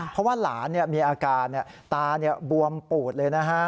เพราะว่าหลานมีอาการตาบวมปูดเลยนะฮะ